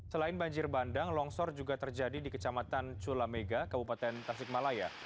selain banjir bandang longsor juga terjadi di kecamatan culamega kabupaten tasikmalaya